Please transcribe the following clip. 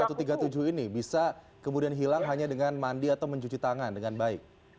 satu ratus tiga puluh tujuh ini bisa kemudian hilang hanya dengan mandi atau mencuci tangan dengan baik